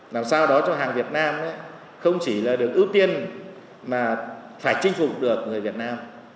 làm sao đó cho hàng việt nam không chỉ là được ưu tiên mà phải chinh phục được người việt nam